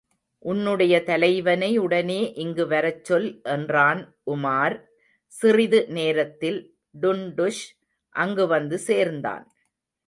உன்னுடைய தலைவனை உடனே இங்கு வரச்சொல் என்றான் உமார், சிறிது நேரத்தில் டுன்டுஷ் அங்கு வந்து சேர்ந்தான்.